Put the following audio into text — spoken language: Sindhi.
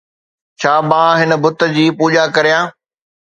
ڇا مان هن بت جي پوڄا ڪريان؟